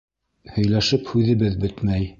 Һөйләшеп һүҙебеҙ бөтмәй.